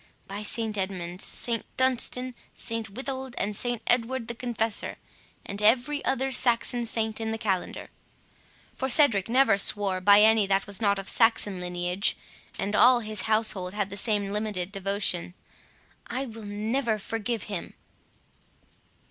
By St Edmund, St Dunstan, St Withold, St Edward the Confessor, and every other Saxon saint in the calendar," (for Cedric never swore by any that was not of Saxon lineage, and all his household had the same limited devotion,) "I will never forgive him!"